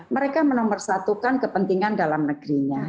mereka menomorsatukan kepentingan dalam negerinya